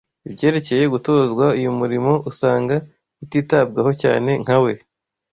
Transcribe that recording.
ibyerekeye gutozwa uyu murimo usanga bititabwaho cyane nka we